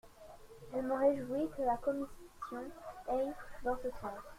Je me réjouis que la commission aille dans ce sens.